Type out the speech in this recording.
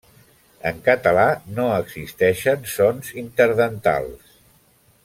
En català, no existeixen sons interdentals.